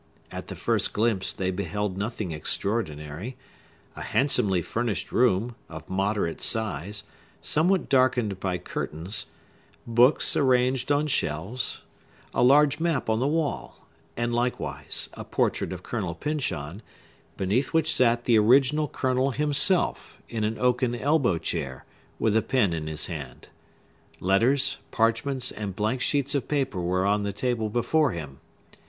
At the first glimpse they beheld nothing extraordinary: a handsomely furnished room, of moderate size, somewhat darkened by curtains; books arranged on shelves; a large map on the wall, and likewise a portrait of Colonel Pyncheon, beneath which sat the original Colonel himself, in an oaken elbow chair, with a pen in his hand. Letters, parchments, and blank sheets of paper were on the table before him.